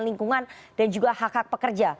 lingkungan dan juga hak hak pekerja